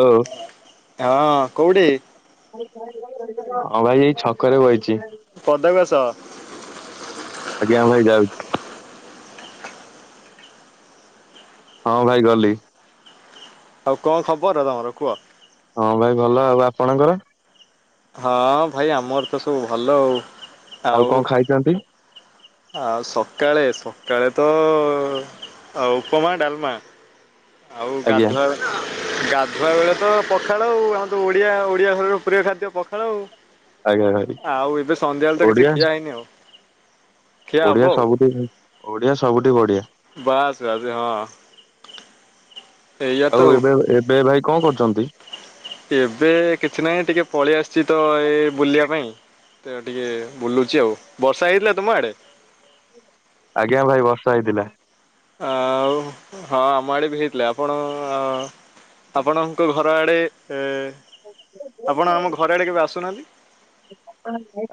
ହଉ ହଁ କୋଉଠି ହଁ ଭାଇ ଏଇ ଛକ ରେ ବହିଛି। ପଦାକୁ ଆସ। ଆଜ୍ଞା ଭାଇ ଯାଉଛି। ହଁ ଭାଇ ଗଲି। ଆଉ କଣ ଖବର ର ତମର କୁହ? ହଁ ଭାଇ ଭଲ। ଆଉ ଆପଣଙ୍କର ହଁ ଭାଇ, ଆମର ତ ସବୁ ଭଲ ଆଉ। ଆଉ କଣ ଖାଇଛନ୍ତି? ଆଉ ସକାଳେ, ସକାଳେ ତ ଆଉ ଉପମା ଡାଲମା। ଆଉ ଆଜ୍ଞା ଗାଧୁଆଳେ ଗାଧୁଆ ବେଳେ ତ ପଖାଳ, ଆଉ ଆମ ତ ଓଡିଆ, ଓଡିଆ ଘରର ପ୍ରିୟ ଖାଦ୍ୟ ପଖାଳ ଆଉ। ଆଜ୍ଞା ଭାଇ ଆଉ ଏବେ ସନ୍ଧ୍ୟାବେଳେ ତ କିଛି ଓଡିଆ ଖିଆ ହେଇନି ଆଉ। ଖିଆ ହବ ଓଡିଆ ଆଉ ସବୁଠେଇ ଓଡିଆ ସବୁଠି ବଢିଆ। ବାସ, ବାସ ହଁ! ଏଇଆ ତ ଆଉ ଏବେ ଏବେ ଭାଇ କଣ କରୁଛନ୍ତି? ଏବେ କିଛି ନାହିଁ ଟିକେ ପଳେଇ ଆସିଛି ତ ଏଇ ବୁଲିବା ପାଇଁ ତ ଟିକେ ବୁଲୁଛି ଆଉ। ବର୍ଷା ହେଇଥିଲା ତୁମ ଆଡେ? ଆଜ୍ଞା ଭାଇ ବର୍ଷା ହେଇଥିଲା। ଆଉ ହଁ! ଆମ ଆଡେ ବି ହେଇଥିଲା ଆପଣ ଆପଣଙ୍କ ଘର ଆଡ଼େ ଏ ଆପଣ ଆମ ଘର ଆଡ଼େ କେବେ ଆସୁନାହାନ୍ତି।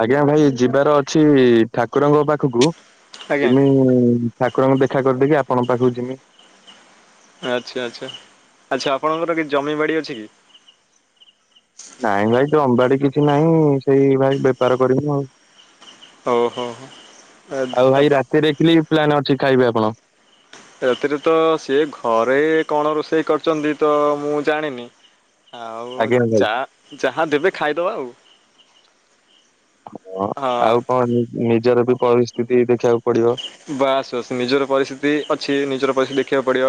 ଆଜ୍ଞା ଭାଇ ଯିବାର ଅଛି ଠାକୁରଙ୍କ ପାଖକୁ ଆଜ୍ଞା ତିନି ଠାକୁରଙ୍କୁ ଦେଖା କରିଦେଇକି ଆପଣଙ୍କ ପାଖକୁ ଯିମି। ଆଚ୍ଛା, ଆଚ୍ଛା, ଆଚ୍ଛା ଆପଣଙ୍କର କି ଜମି ବାଡ଼ି ଅଛି କି? ନାଇଁ ଭାଇ ଜମିବାଡି କିଛି ନାହିଁ। ସେଇ ଭାଇ ବେପାର କରିବୁ ଆଉ ହଉ ହଉ ଆ ତାପ ସେ ଦେଖିଲି ପ୍ଲାନ୍ ଅଛି ଖାଇବେ ଆପଣ। ରାତିରେ ତ ସିଏ ଘରେ କଣ ରୋଷେଇ କରିଛନ୍ତି ତ, ମୁଁ ଜାଣିନି। ଆଉ ଆଜ୍ଞା ଭାଇ। ଯା ଯାହା ଦେବେ ଖାଇଦବା ଆଉ ହ ହଁ ଆଉ କଣ ନି ନିଜର ବି ପରିସ୍ଥିତି ଦେଖିବାକୁ ପଡିବ। ବାସ ବାସ ନିଜର ପରିସ୍ଥିତି ଅଛି ନିଜର ପରିସ୍ଥିତି ଦେଖିବାକୁ ପଡିବ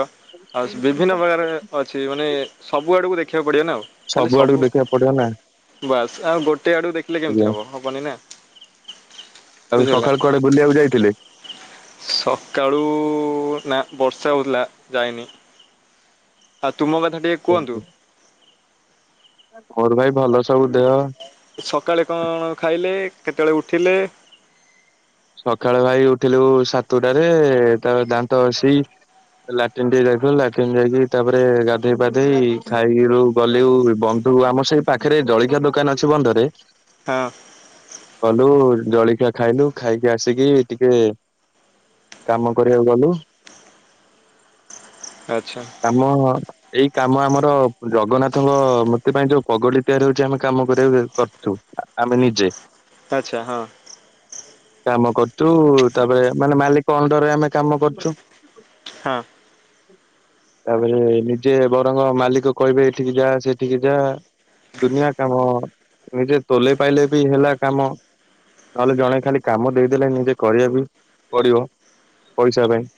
ଆଉ ବିଭିନ୍ନ ପ୍ରକାର ଅଛି ମାନେ ସବୁଆଡ଼କୁ ଦେଖିବାକୁ ପଡ଼ିବ ନା ଆଉ ଖାଲି ଆଡକୁ ସବୁ ଦେଖିବାକୁ ପଡିବ ନା ବାସ୍ ଆଉ ଗୋଟେ ଆଡକୁ ଦେଖିଲେ କେମିତି ଆଜ୍ଞା। ହବ ହ ବନିନା ଆଉ ସଖାଳୁ କୁଆଡେ ବୁଲିବାକୁ ଯାଇଥିଲେ? ସକାଳୁ ନା ବର୍ଷା ହଉଥିଲା ଯାଇନି। ଆଉ ତୁମ କଥା ଟିକେ କୁଅନ୍ତୁ? ମୋର ଭାଇ ଭଲ ସବୁ ଦେହ। ସକାଳେ କଣ ଖାଇଲେ କେତବେଳେ ଉଠିଲେ? ସକାଳେ ଭାଇ ଉଠିଲୁ ସାତୁଟାରେ ତା ପରେ ଦାନ୍ତ ଘସିକି ଲାଟିନ୍ ଟିକେ ଯାଇଥିଲୁ ଲାଟିନ୍ ଯାଇକି ତାପରେ ଗାଧେଇ ପାଧେଇ ଖାଇକି ରୁ ଗଲୁ ବ ଯୋଉ ଆମ ସେଇ ପାଖେରେ ଜଳିଖିଆ ଦୋକାନ ଅଛି ବନ୍ଧରେ ହଁ। ଗଲୁ ଜଳିଖିଆ ଖାଇଲୁ। ଖାଇକି ଆସିକି ଟିକେ କାମ କରିବାକୁ ଗଲୁ। ଆଚ୍ଛା। କାମ ଏଇ କାମ ଆମର ଜଗନ୍ନାଥଙ୍କ ମୂର୍ତ୍ତି ପାଇଁ ଯୋଉ ପଗଡି ତିଆରି ହଉଚି ଆମେ କାମ କରିବାକୁ କରୁଚୁ। ଆମେ ନିଜେ। ଆଚ୍ଛା ହଁ। କାମ କରୁଚୁ ତାପରେ ମାନେ ମାଲିକ ଅଣ୍ଡରେ ଆମେ କାମ କରୁଚୁ। ହଁ। ତାପରେ ନିଜେ ବରଙ୍ଗ ମାଲିକ କହିବେ ଏଠିକି ଯା ସେଠିକି ଯା ଦୁନିଆ କାମ ନିଜେ ତୋଲେଇ ପାଇଲେ ବି ହେଲା କାମ ନହେଲେ ଜଣେ ଖାଲି କାମ ଦେଇଦେଲେ ନିଜେ କରିବାକୁ ବି ପଡିବ ପଇସା ପାଇଁ।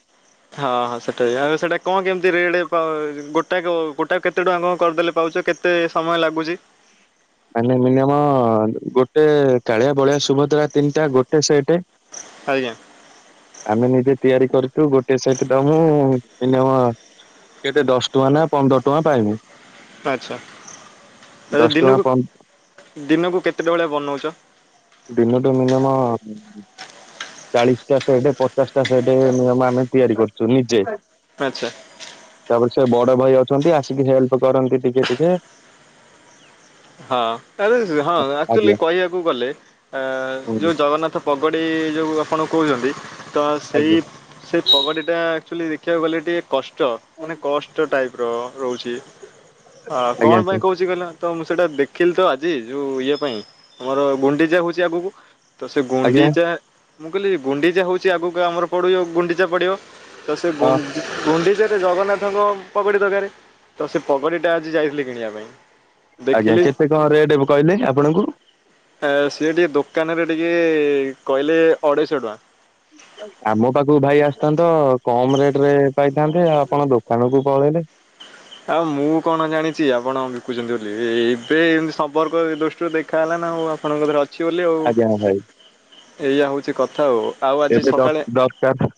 ହଁ ହଁ ସେଟା ଆଉ ସେଇଟା କଣ କେମିତି ରେଡ଼ ପ-ଗୋଟାକ ଗୋଟାକ କେତେ ଟଙ୍କା କଣ କରିଦେଲେ ପାଉଚ କେ ତେ ସମୟ ଲାଗୁଚି? ମାନେ ମିନିୟମ ଗୋଟେ କାଳିଆ ବଳିଆ ସୁଭଦ୍ରା ତିନିଟା ଗୋଟେ ସେଟେ। ଆଜ୍ଞା। ଆମେ ନିଜେ ତିଆରି କରିଚୁ ଗୋଟେ ସେଇଟ ଦମୁ ମିନିମମ୍ କେତେ ଦଶ ଟଙ୍କା ନା ପନ୍ଦର ଟଙ୍କା ପାଇମୁଁ। ଆଚ୍ଛା ଆଛା ଦଶ ଟଙ୍କା ଦିନକୁ ପନ୍ଦ ଦିନକୁ କେତେଟାଭଳିଆ ବନଉଚ? ଦିନଟେ ମିନିୟମ ଚାଳିଶଟା ସେଟ୍ ପଚାଶଟା ସେଟ୍ ନିୟମ ଆମେ ତିଆରି କରୁଚୁ ନିଜେ। ଆଚ୍ଛା। ତାପରେ ସେ ବଡ ଭାଇ ଅଛନ୍ତି ଆସିକି ହେଲ୍ପ କରନ୍ତି ଟିକେ ଟିକେ ହଁ ଆରେ ହଁ ଆକ୍ଚୋଲି ଆଜ୍ଞା କହିବାକୁ ଗଲେ ଅଁ ଯୋଉ ହୁଁ। ଜଗନ୍ନାଥ ପଗଡ଼ି ଯୋଉ ଆପଣ କହୁଚନ୍ତି ତ ସେଇ ଆଜ୍ଞା ସେ ପଗଡି ଟା ଆକ୍ଚୋଲି ଦେଖିବାକୁ ଗଲେ ଟିକେ କଷ୍ଟ ମାନେ କଷ୍ଟ ଟାଇପ ର ରହୁଛି ଆ କଣ ଆଜ୍ଞା ପାଇଁ ସାର୍ କହୁଛି କହିଲ ତ ସେଇଟା ଦେଖିଲି ତ ଆଜି ଯୋଉ ଇଏ ପାଇଁ ଆମର ଗୁଣ୍ଡିଚା ହଉଚି ଆଗୁକୁ। ତ ସେଇ ଆଜ୍ଞା ଗୁଣ୍ଡିଚା ମୁଁ କହିଲି ଗୁଣ୍ଡିଚା ହଉଛି ଆଗକୁ ଆମର ପଡ଼ିବ ଗୁଣ୍ଡିଚା ପଡ଼ିବ। ତ ସେଇ ଗୁ ହଁ ଗୁଣ୍ଡିଚାରେ ଜଗନ୍ନାଥଙ୍କ ପଗଡ଼ି ଦରକାର। ତ ସେଇ ପଗଡ଼ିଟା ଆଜି ଯାଇଥିଲି କିଣିବା ପାଇଁ। ଆଜ୍ଞା ଦେଖିଲି କେତେ କଣ ରେଟ୍ କହିଲେ ଆପଣଙ୍କୁ? ସିଏ ଟିକେ ଦୋକାନରେ ଟିକେ କହିଲେ ଅଢେଇଶହ ଟଙ୍କା। ଆମ ପାଖକୁ ଭାଇ ଆସିଥାନ୍ତ କମ ରେଟ ରେ ପାଇଥାନ୍ତେ ଆପଣ ଦୋକାନ କୁ ପଳେଇଲେ। ଆଉ ମୁଁ କଣ ଜାଣିଛି ଆପଣ ବିକୁଛନ୍ତି ବୋଲି। ଏବେ ଏମତି ସମ୍ପର୍କ ଦୃଷ୍ଟି। ଦେଖା ହେଲା ନା ଆଉ ଆପଣଙ୍କର ଅଛି। ଅଛି ବୋଲି ଆଉ ଆଜ୍ଞା ଭାଇ ଏଇଆ ହେଉଛି କଥା ଆଉ ଆଉ ଆଜି ଏବେ ସକାଳେ। ଦରକାର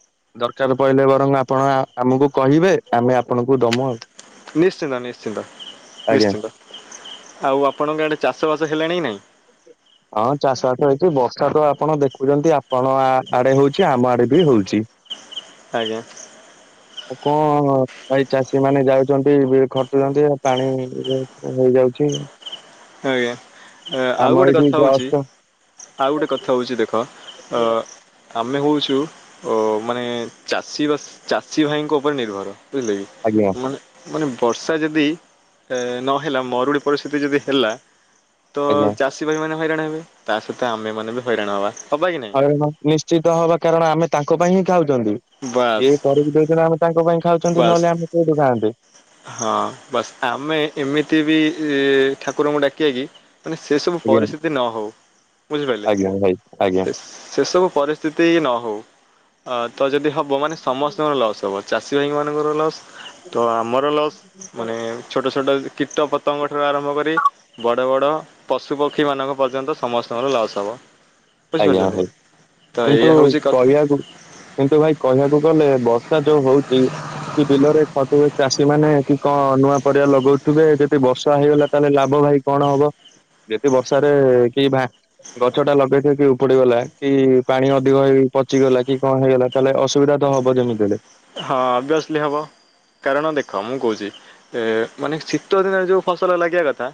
ଦରକାର ପଇଲେ ବରଂ ଆପଣ ଆମକୁ କହିବେ ଆମେ ଆପଣଙ୍କୁ ଦମୁଁ ଆଉ। ନିଶ୍ଚିନ୍ତ ନିଶ୍ଚିନ୍ତ ଆଜ୍ଞା। ନିଶ୍ଚିନ୍ତ। ଆଉ ଆପଣଙ୍କ ଆଡ଼େ ଚାଷ ବାସ ହେଲାଣି ନାଇଁ। ହଁ ଚାଷ ବାଷ ହେଇଛି ବର୍ଷା ତ ଆପଣ ଦେଖୁଛନ୍ତି ଆପଣ ଆଡେ ହଉଛି ଆମ ଆଡେ ବି ହଉଛି। ଆଜ୍ଞା। ଆଉ କଣ ଭାଇ ଚାଷୀ ମାନେ ଯାଉଛନ୍ତି ଖଟୁଛନ୍ତି ପାଣି ହେଇଯାଉଛି। ଆଜ୍ଞା। ଆମ ଆଉ ଗୋଟେ ଏଇଠି କଥା ହେଉଛି। ଜଷ୍ଟ ଆଉ ଗୋଟେ କଥା ହେଉଛି ଦେଖ। ଅ ଆମେ ହଉଛୁ। ଓ ମାନେ ଚାଷୀ ବା ଚାଷୀ ଭାଇଙ୍କ ଉପରେ ନିର୍ଭର ବୁଝିଲେ କି। ଆଜ୍ଞା। ମାନେ ବର୍ଷା ଯଦି ନହେଲା ମରୁଡ଼ି ପରିସ୍ଥିତି ଯଦି ହେଲା। ତ ଆଜ୍ଞା ଚାଷୀ ଭାଇ ମାନେ ହଇରାଣ ହେବେ। ତା ସହିତ ଆମେ ମାନେ ବି ହଇରାଣ ହବା ହବା କି ନାଇ। ନିଶ୍ଚିତ ହବା କାରଣ ଆମେ ତାଙ୍କ ପାଇଁ ହିଁ ଖାଉଛନ୍ତି। ବାସ୍ ଇଏ କରିକି ଦଉଛନ୍ତି ଆମେ ତାଙ୍କ ପାଇଁ ଖାଉଛନ୍ତି ବାସ୍ ନହେଲେ ଆମେ କୋଉଠୁ ଖାଆନ୍ତେ। ହଁ ବାସ୍ ଆମେ ଏମିତି ବି ଠାକୁରଙ୍କୁ ଡାକିବା କିି। ମାନେ ସେ ସବୁ ଆଜ୍ଞା ପରିସ୍ଥିତି ନ ହଉ ବୁଝିପାରିଲେ ଆଜ୍ଞା ଭାଇ ଆଜ୍ଞା। ସେ ସବୁ ପରିସ୍ଥିତି। ସ୍ଥିତି ନ ହଉ। ତ ଯଦି ହବ ମାନେ ସମସ୍ତଙ୍କର ଲସ୍ ହେବ ଚାଷୀ ଭାଇ ମାନଙ୍କର ଲସ୍। ତ ଆମର ଲସ୍। ମାନେ ଛୋଟ ଛୋଟ କୀଟ ପତଙ୍ଗ ଠାରୁ ଆରମ୍ଭ କରି। ବଡ଼ ବଡ଼ ପଶୁପକ୍ଷୀମାନଙ୍କ ପର୍ଯ୍ୟନ୍ତ ସମସ୍ତଙ୍କର ଲସ୍ ହେବ। ଆଜ୍ଞା ବୁଝିପାରୁଛନ୍ତି ଭାଇ ତ କିନ୍ତୁ ଏଇଆ ହେଉଛି କଥା କହିବାକୁ। କିନ୍ତୁ ଭାଇ କହିବାକୁ ଗଲେ ବର୍ଷା ଯୋଉ ହଉଛି। କି ବିଲରେ ଖଟେ ଚାଷୀ ମାନେ କି କଣ ନୂଆ ପରିବା ଲଗଉଥିବେ ଯଦି ବର୍ଷା ହେଇଗଲା ତାହେଲେ ଲାଭ ଭାଇ। କଣ ହବ ଯେତେ ବର୍ଷାରେ କିବା ଗଛ ଟା ଲଗେଇ। ଉପୁଡିଗଲା। କି ପାଣି ଅଧିକ ହେଇ ପଚିଗଲା କି କଣ ହେଇଗଲା। ତାହେଲେ ଅସୁବିଧା ତ ହବ ଯେମିତିହେଲେ। ହଁ ଅଭିିଅସଲି ହେବ। କାରଣ ଦେଖ ମୁଁ କହୁଛି ମାନେ ଶୀତ। ଶୀତ ଦିନେ ଯୋଉ ଫସଲ ଲାଗିବା କଥା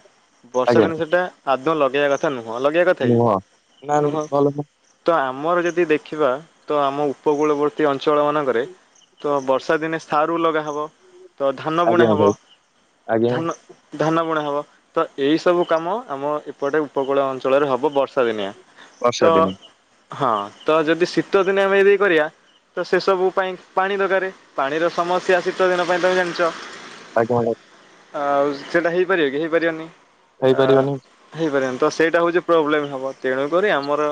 ବର୍ଷା ଆଜ୍ଞା ଦିନ ସେଟା ଆଦୌ ଲଗେଇବା କଥା। କଥା ନୁହଁ ଲଗେଇବା କଥା ନୁହଁ ନା କି। ନୁହଁ। ଭଲ ତ ଆମର ଯଦି ଦେଖିବା ତ ଆମ ଉପକୂଳବର୍ତ୍ତୀ ଅଞ୍ଚଳ ମାନଙ୍କରେ। ତ ବର୍ଷା ଦିନେ ସାରୁ ଲଗାହବ ତ ଧାନ ବୁଣା ଆଜ୍ଞା ହବ ଭାଇ ଆଜ୍ଞା ଧାନ। ଧାନ ବୁଣା ହବ ତ ଏଇ ସବୁ କାମ ଆମ ଏପଟେ ଉପକୂଳ ଅଞ୍ଚଳରେ ହବ। ବର୍ଷା। ବର୍ଷାଦିନିଆଁ ବର୍ଷା ତ। ଦିନେ ହଁ ତ ଯଦି ଶୀତଦିନେ ଆମେ ଏଇ ଦେଇ କରିବା ତ ସେସବୁ ପାଇଁ। ପାଣି ଦରକାର ପାଣିର ସମସ୍ୟା ଶୀତ ଦିନ ପାଇଁ ତମେ ଜାଣିଛ। ଆଜ୍ଞା। ଆ ସେଟା ହେଇପାରିବ କି ହେଇପାରିବନି ଆ। ହେଇପାରିବନି ହେଇପାରିବନି ତ ସେଇଟା ହଉଛି ପ୍ରୋବ୍ଲେମ ହବ। ତେଣୁ କରି ଆମର।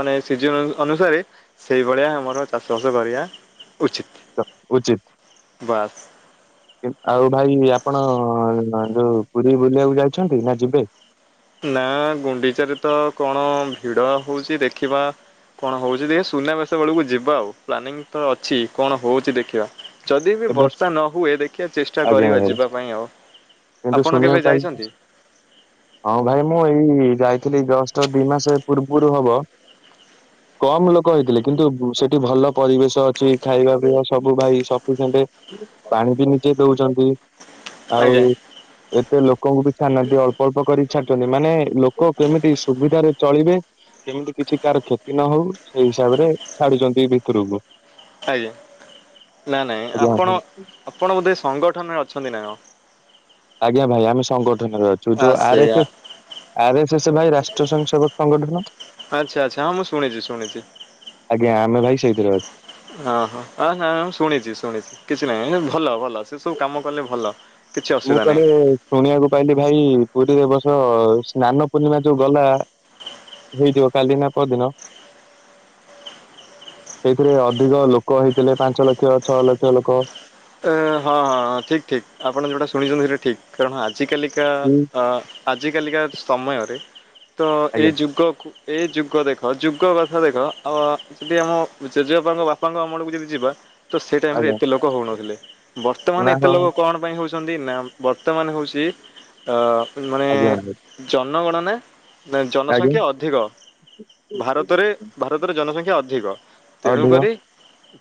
ମାନେ ସେ ଯେଉଁ ଅନୁସାରେ ସେଇଭଳିଆ ଆମର ଚାଷ ବାସ କରିବା। ଉଚିତ। ଉଚିତ। ବାସ୍। ଆଉ ଭାଇ ଆପଣ ଯୋଉ ପୁରୀ ବୁଲିବାକୁ ଯାଇଛନ୍ତି ନା ଯିବେ? ନା ଗୁଣ୍ଡିଚାରେ ତ କଣ ଭିଡ ହଉଛି ଦେଖିବା। କଣ ହଉଛି ଦେଖ ସୁନାବେସ ବେଳକୁ ଯିବା ଆଉ, ପ୍ଲାନିଂ ତ ଅଛି କଣ ହଉଛି ଦେଖିବା। ଯଦି ବି ଏବେ ବର୍ଷା ନ ହୁଏ ଦେଖିବା ଚେଷ୍ଟା ଆଜ୍ଞା କରିବା ଭାଇ ଯିବା ପାଇଁ ଆଉ। କିନ୍ତୁ ଆପଣ ଶୁଣିବାକୁ କେବେ ପାଇ ଯାଇଛନ୍ତି? ହଁ ଭାଇ ମୁଁ ଏଇ ଯାଇଥିଲି ଜଷ୍ଟ ଦି ମାସେ ପୂର୍ବରୁ ହବ। କମ ଲୋକ ହେଇଥିଲେ କିନ୍ତୁ ସେଠି ଭଲ ପରିବେଶ ଅଛି ଖାଇବା ପିଇବା ସବୁ ଭାଇ ସ [unintelligible] ପାଣି ବି ନିଜେ ଦଉଛନ୍ତି, ଆଉ ଆଜ୍ଞା ଏତେ ଲୋକଙ୍କୁ ବି ଛାଡ଼ନାହାନ୍ତି, ଅଳ୍ପ ଅଳ୍ପ କରିକି ଛାଡୁଛନ୍ତି, ମାନେ ଲୋକ କେମିତି ସୁବିଧାରେ ଚଳିବେ। କେମିତି କିଛି କାହାର କ୍ଷତି ନ ହଉ ସେଇ ହିସାବ ରେ ଛାଡୁଛନ୍ତି ଭିତୁରୁକୁ। ଆଜ୍ଞା, ନା ନାଇଁ ଆଜ୍ଞା ଆପଣ ଭାଇ ଆପଣ ବୋଧେ ସଂଗଠନରେ ଅଛନ୍ତି ନା କଣ? ଆଜ୍ଞା, ଭାଇ ଆମେ ସଂଗଠନରେ ଅଛୁ ଆ ଯୋଉ ଆର୍ ସେଇଆ। ଏସ୍ ଏସ୍ ଆରେ ଶେଷ ଭାଇ ରାଷ୍ଟ୍ର ସଂସଦ ସଂଗଠନ। ଆଚ୍ଛା ଆଚ୍ଛା, ହଁ ମୁଁ ଶୁଣିଛି ଶୁଣିଛି। ଆଜ୍ଞା, ଆମେ ଭାଇ ସେଇଥିରେ ଅ ଅହଁ ଅ ନାଇ ଆମେ ଶୁଣିଛି ଶୁଣିଛି କିଛି ନାହିଁ ଭଲ ଭଲ ସେ ସବୁ କାମ କଲେ ଭଲ। କିଛି ମୁଁ ଅସୁବିଧା ନାହିଁ। କଆଡେ ଶୁଣିବାକୁ ପାଇଲି ଭାଇ ପୁରୀରେ ଏ ବର୍ଷ ସ୍ନାନ ପୂର୍ଣ୍ଣିମା ଯୋଉ ଗଲା ହେଇଥିବ କାଲି ନା ପରଦିନ ଏଇଥିରେ ଅଧିକ ଲୋକ ହେଇଥିଲେ, ପାଞ୍ଚ ଲକ୍ଷ, ଛଅ ଲକ୍ଷ ଲୋକ। ଏ, ହଁ ହଁ ଠିକ୍ ଠିକ ଆପଣ ଯେଉଟା ଶୁଣିଛନ୍ତି ସେଇଟା ଠିକ୍, କାରଣ ଆଜିକାଲିକା କି ଆଜିକାଲିକା ସମୟରେ ତ ଆଜ୍ଞା ଏଇ ଯୁଗକୁ ଏଇ ଯୁଗ ଦେଖ ଯୁଗ କଥା ଦେଖ ଆଉ ଯଦି ଆମ ଜେଜେବାପାଙ୍କ ବାପାଙ୍କ ଅମଳକୁ ଯଦି ଯିବା ତ ସେ ଟାଇମ ରେ ଆଜ୍ଞା ଏତେ ଲୋକ ହଉନଥିଲେ, ନା ବର୍ତ୍ତମାନ ଏତେ ହଁ ଲୋକ କଣ ପାଇଁ ହଉଛନ୍ତି ନା ବର୍ତ୍ତମାନ ହଉଛି ଆ ମାନେ ଆଜ୍ଞା। [unintelligible] ଜନଗଣନା ନା ଆଜ୍ଞା ଜନସଂଖ୍ୟା ଅଧିକ? ଭାରତରେ ଭାରତରେ ଜନସଂଖ୍ୟା ଅଧିକ, ଅଧିକ ତେଣୁକରି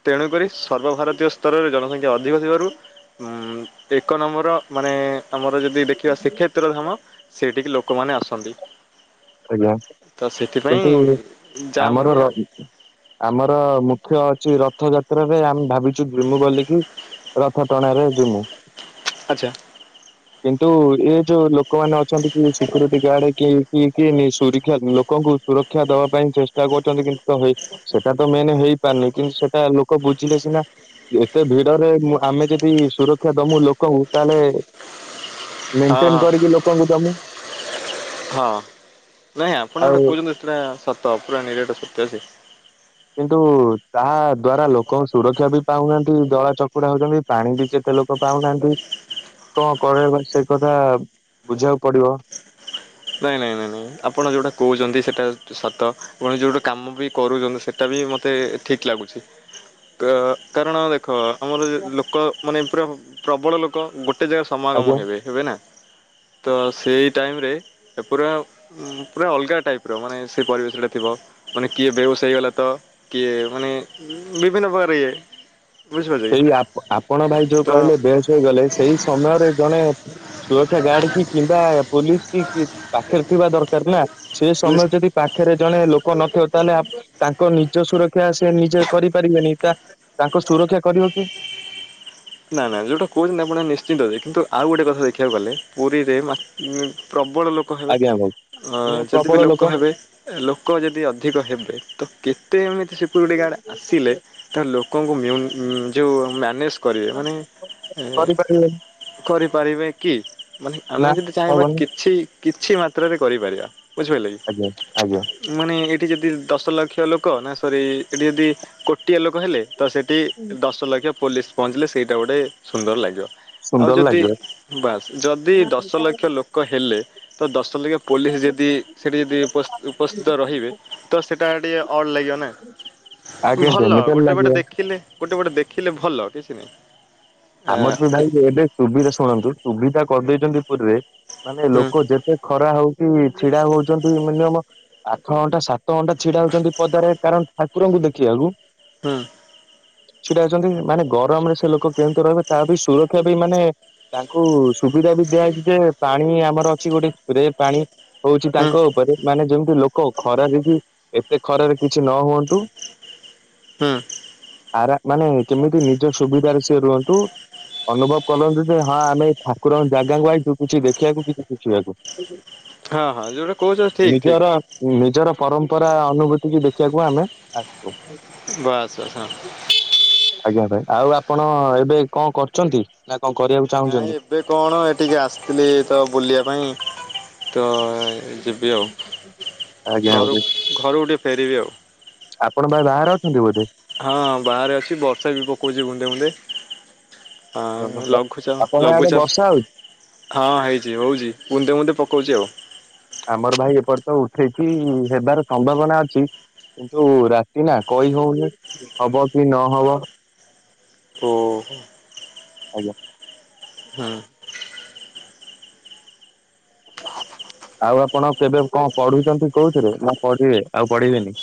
ତେଣୁକରି ସର୍ବଭାରତୀୟ ସ୍ତରରେ ଜନସଂଖ୍ୟା ଅଧିକ ଥିବାରୁ ଏକ ନମ୍ବର ମାନେ ଆମର ଯଦି ଦେଖିବା ଶିଖେ ତ୍ର ଧାମ, ସେଇଠିକି ଲୋକମାନେ ଆସନ୍ତି। ଆଜ୍ଞା ତ ସେଥିପାଇଁ କିନ୍ତୁ ଜାମ୍ ଆମର ହୁଏ ର ଆଉ ଆମର ମୁଖ୍ୟ ଅଛି ରଥଯାତ୍ରାରେ ଆମେ ଭାବିଛୁ ବିମୁଁ ଗଲିକି ରଥ ଟଣା ରେ ଜିମୁ। ଆଚ୍ଛା। କିନ୍ତୁ ଏ ଯୋଉ ଲୋକମାନେେ ଅଛନ୍ତି କି ସିକ୍ୟୁରିଟି ଗାର୍ଡ କି କି କିନି ସୁରିକ୍ଷା ଲୋକଙ୍କୁ ସୁରକ୍ଷା ଦବା ପାଇଁ ଚେଷ୍ଟା କରୁଛନ୍ତି କିନ୍ତୁ ତ ହେଇ ସେଟା ତ ମେନ ହେଇପାରୁନି କିନ୍ତୁ ସେଟା ଲୋକ ବୁଝିଲେ ସିନା ଏତେ ଭିଡରେ ମୁ ଆମେ ଯଦି ସୁରକ୍ଷା ଦମୁ ଲୋକଙ୍କୁ, ତାହେଲେ ମେନ୍ ହଁ ଟେନ ହଁ କରିକି ଲୋକଙ୍କୁ ଦମୁ। ହଁ, ନାଇଁ ଆପଣ ଗୋଟେ ଆଉ କହୁଛନ୍ତି ଏଟା ସତ ପୁରା ନିରାଟ ସତ୍ୟ ଯେ କିନ୍ତୁ ତା ଦ୍ଵାରା ଲୋକଙ୍କ ସୁରକ୍ଷା ବି ପାଉନାହାନ୍ତି ଦଳା ଚକୁଡ଼ା ହଉଛନ୍ତି। ପାଣି ବି କେତେ ଲୋକ ପାଉନାହାନ୍ତି। କଣ କରିବା କହୁନୁ ସେ କଥା ବୁଝିବାକୁ ପଡିବ। ନାଇଁ ନାଇଁ ନାଇଁ ନାଇଁ ଆପଣ ଯେଉଁଟା କହୁଛନ୍ତି ସେଇଟା ସତ। କୌଣସି ଯୋଉ ଗଟେ କାମ ବି କରୁଚନ୍ତି। ସେଟା ବି ମତେ ଠିକ୍ ଲାଗୁଚି। ଅ କରଣ ଦେଖ। ଆମର ଯେ ଲୋକ ମାନେ ପୁରା ପ୍ରବଳ ଲୋକ ଗୋଟେ ଜାଗାରେ ସମାଗମ ଆଜ୍ଞା। ହେବେ। ହେବେନା ତ ସେଇ ଟାଇମରେ ଏପୁରା- - ଉଁ ପୁରା ଅଲଗା ଟାଇପ ର ମାନେ ସେ ପରିବେଶଟା ଥିବ। ମାନେ କିଏ ବେହସ ହେଇଗଲା ତ କିଏ ମାନେ ବିଭିନ୍ନ ପ୍ରକାର ଇଏ। ବୁଝିପାରୁଛ କି ସେଇ ଆପ ଆପଣ ଭାଇ ଯୋଉ ତ କହିଲେ ବେହଶ ହେଇଗଲେ ସେଇ ସମୟରେ ଜଣେ- - ସୁରକ୍ଷା ଗାର୍ଡ କି କିମ୍ବା ପୋଲିସ କି କି ପାଖରେ ଥିବା ଦରକାର ନା ସେ ନିଶ୍ ସମୟ ଯଦି ପା- - ଖରେ ଜଣେ ଲୋକ ନଥିବ ତାହେଲେ ତାଙ୍କ ନିଜ ସୁରକ୍ଷା ସେ ନିଜେ କରିପାରିବେନି ତା - - ତାଙ୍କୁ ସୁରକ୍ଷା କରିବ କି? ନା ନା ଯଉଟା କହୁଚନ୍ତି ଆପଣ ନିଶ୍ଚିନ୍ତ ଦେ କିନ୍ତୁ ଆଉ ଗୋଟେ କଥା ଦେଖିବାକୁ ଗଲେ ପୁରୀରେ ମା ଉଁ ପ୍ରବଳ ଲୋକ - - ହେବେ ଆଜ୍ଞା ଭାଇ ମୁଁ ଯଦି ବି ପ୍ରବଳ ଲୋକ ହେବେ କ ଲୋକ ଯଦି ଅଧିକ ହେବେ। ତ କେତେ ଏମିତି ସିକ୍ୟୁରିଟି ଗାର୍ଡ଼ ଆସିଲେ - - ତା ଲୋକଙ୍କୁ ମିଉଁ ଉଁ ଯେଉଁ ମ୍ୟାନେଜ କରିବେ ମାନେ ଏଁ କରିପାରିବେନି କରିପାରିବେ କି? ମାନେ ଆମେ ନା ଯଦି ଚାହିଁବା ହବନି କିଛି କିଛି ମାତ୍ରରେ କରିପାରିବା ବୁଝିପାରିଲେ କି? ଆଜ୍ଞା ଆଜ୍ଞା। ମାନେ ଏଇଠି ଯଦି ଦଶ ଲକ୍ଷ ଲୋକ। ନା ସରି ଏଠି ଯଦି କୋଟିଏ ଲୋକ ହେଲେ ତ ସେଠି ଦଶ ଲକ୍ଷ ପୋଲିସ ପହଞ୍ଚିଲେ ସେଇଟା ଗୋଟେ ସୁନ୍ଦର ଲାଗିବ। ଆଉ ସୁନ୍ଦର ଯଦି ଲାଗିବ ବାସ୍ ଯଦି ଦଶ ଲକ୍ଷ ଲୋକ ହେଲେ ତ ଦଶ ଲକ୍ଷ ପୋଲିସ ଯଦି ସେଇଠି ଯଦି ଉପ ଉପସ୍ଥିତ ରହିବେ ତ ସେଇଟା ଟିକିେ ଅଡ଼୍ ଲାଗିବ ନା। ଆଜ୍ଞା ଭଲ ଯେମିତି ହେଲେ ଗୋଟେ ପଟେ ଲାଗିବ। ଦେଖିଲେ ଗୋଟେ ପଟେ ଦେଖିଲେ ଭଲ କିଛି ନାହିଁ? ଆ ଆମର ତ ହୁଁ ଭାଇ ଏବେ ସୁବିଧା ଶୁଣନ୍ତୁ ସୁବିଧା କରିଦେଇଛନ୍ତି ପୁରୀରେ ମାନେ ହୁଁ ଲୋକ ଯେ- - ଏ ଖରା ହଉଚି ଛିଡା ହଉଚନ୍ତି ମିନିୟମ ଆଠ ଘଣ୍ଟା ସାତ ତଣ୍ଟା ଛିଡା ହଉଛନ୍ତି ପଦାରେ କାରଣ ଠାକୁରଙ୍କୁ ଦେଖିଆକୁ। ହଁ ସେଟା ଅଚନ୍ତି ମାନେ ଗରମରେ ସେ ଲୋକ କେମିତି ରହିବେ ତା ବି ସୁରକ୍ଷା ବି ମାନେ ତାଙ୍କୁ ସୁବିଧା ବି ଦିଆହେଇଚି ଯେ ପାଣି ଆମର ଅଛି ଗୋଟେ ପ୍ରେ ପାଣି। ହଉଚି ତାଙ୍କ ଉପରେ ମାନେ ଯେମିତି ଲୋକ ଖରାରେ କି ଏତେ ଖରାରେ କିଛି ନ ହୁଅନ୍ତୁ। ହୁଁ ଆରା ମାନେ କେମିତି ନିଜ ସୁବିଧାରେ ସିଏ ରୁହନ୍ତୁ। ଅନୁଭବ କଲନ୍ତି ଯେ ହଁ ଆମେ ଠାକୁରଙ୍କ ଜାଗାକୁ ଆଇଚୁ କିଛି ଦେଖିବାକୁ କିଛି ଶିଖିବାକୁ। ହଁ ହଁ ଯୋଉଟା କହୁଛ ଠିକ୍ ଠିକ୍। ନିଜର ନିଜର ପରମ୍ପରା ଅନୁଭୂତି କି ଦେଖିବାକୁ ଆମେ ଆସିଚୁ। ବାସ୍ ବାସ୍ ହଁ। ଆଜ୍ଞା ଭାଇ। ଆଉ ଆପଣ ଏବେ କଣ କରୁଚନ୍ତି ନା କଣ କରିଆକୁ ନାଇଁ ଚାହୁଁଚନ୍ତି। ଏବେ କଣ ଏ ଟିକେ ଆସିଥିଲି ତ ବୁଲିବା ପାଇଁ ତ- - ଯିବି ଆଉ। ଆଜ୍ଞା ଘରୁ ଭାଇ ଘରୁକୁ ଟିକେଏ ଫେରିବି ଆଉ। ଆପଣ ଭାଇ ବାହାରେ ଅଛନ୍ତି ବୋଧେ। ହଁ ବାହାରେ ଅଛି ବର୍ଷା ବି ପକଉଚି ବୁନ୍ଦେ ବୁନ୍ଦେ। ଲଘୁଚାପ ଆପଣଙ୍କ ଆଡେ ଲଘୁଚାପ୍ - - ବର୍ଷା ହଉଛି? ହଁ ହେଇଚି ହଉଚି ମୁନ୍ଦେ ମୁୁନ୍ଦେ ପକଉଚି ଆଉ। ଆମର ଭାଇ ଏପର୍ଯ୍ୟ ତ ଉଠେଇଛିି ହେବାର ସମ୍ଭାବନା ଅଛି। କିନ୍ତୁ ରାତି ନା କହି ହଉନି ହବ କି ନହବ? ଓ ହ ଆଜ୍ଞା ହୁଁ। ଆଉ ଆପଣ କେବେ କଣ ପଢୁଛନ୍ତି କୋଉଥିରେ, ନା ପଢିବେ ଆଉ ପଢିବେନି?